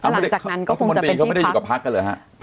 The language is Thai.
รัชมนตรีเขาไม่ได้อยู่กับพักหรือครับ